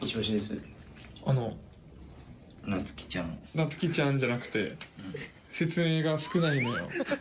「なつきちゃん」じゃなくて説明が少ないのよ。